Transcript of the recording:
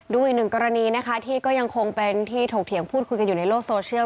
ดูอีกหนึ่งกรณีนะคะที่ก็ยังคงเป็นที่ถกเถียงพูดคุยกันอยู่ในโลกโซเชียล